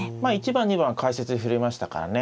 １番２番は解説で触れましたからね。